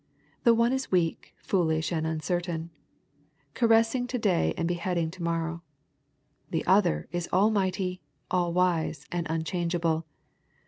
The one is weak, foolish, and uncertain ; caressing to day and beheading to morrow. The other is almighty, all wise, and unchangeable.